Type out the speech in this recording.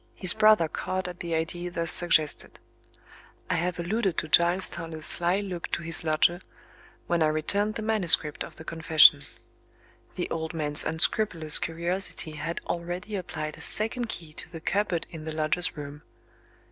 His brother caught at the idea thus suggested. I have alluded to Giles Toller's sly look to his lodger, when I returned the manuscript of the confession. The old man's unscrupulous curiosity had already applied a second key to the cupboard in the lodger's room.